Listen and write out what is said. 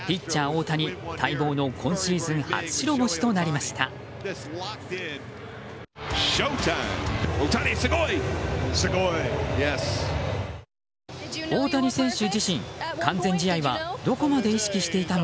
大谷待望の今シーズン初白星となりました。